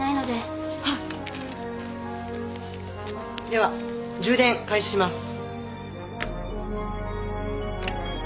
では充電開始します。